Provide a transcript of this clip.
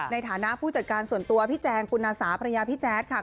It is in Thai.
ในฐานะผู้จัดการส่วนตัวพี่แจงปุณาสาภรรยาพี่แจ๊ดค่ะ